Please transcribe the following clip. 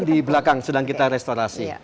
di belakang sedang kita restorasi